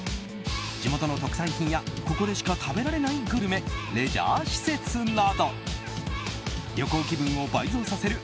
地元の特産品やここでしか食べられないグルメレジャー施設など旅行気分を倍増させる